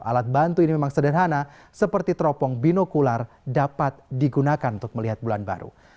alat bantu ini memang sederhana seperti teropong binokular dapat digunakan untuk melihat bulan baru